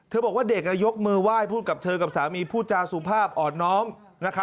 บอกว่าเด็กยกมือไหว้พูดกับเธอกับสามีพูดจาสุภาพอ่อนน้อม